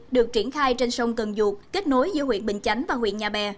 được triển khai trên sông cần duột kết nối giữa huyện bình chánh và huyện nhà bè